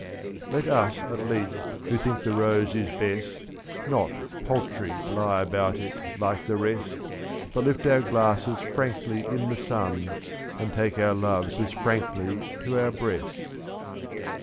Let us at least who think the Rose is best Not, paltry, lie about it like the rest, i 17' But lift our glasses frankly in the sun. And take our loves as frankly to our breast.